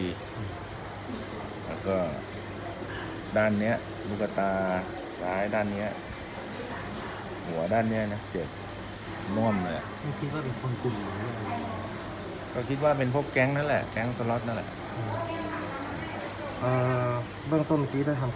เอ่อเรื่องต้นเมื่อกี้ได้ทำการสอบถามพัฒนบาลว่าทางย่าพี่จะทำการยาที่เข้าไปรักษาต่อที่ที่กรุงเทพฯหรือครับ